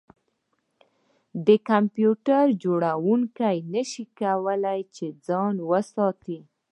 د کمپیوټر جوړونکي نشوای کولی چې ځان وساتي